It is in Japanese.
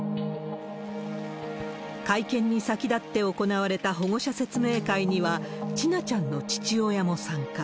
会見に先立って行われた保護者説明会には、千奈ちゃんの父親も参加。